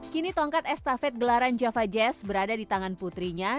kini tongkat estafet gelaran java jazz berada di tangan putrinya